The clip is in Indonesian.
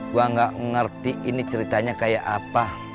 gue gak ngerti ini ceritanya kayak apa